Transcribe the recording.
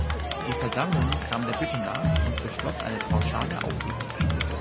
Die Versammlung kam der Bitte nach und beschloss eine pauschale Aufhebung.